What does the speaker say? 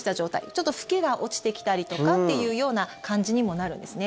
ちょっとふけが落ちてきたりとかっていうような感じにもなるんですね。